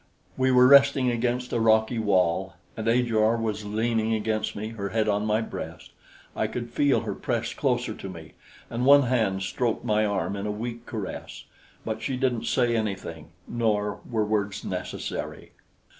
We were resting against a rocky wall, and Ajor was leaning against me, her head on my breast. I could feel her press closer to me, and one hand stroked my arm in a weak caress; but she didn't say anything, nor were words necessary.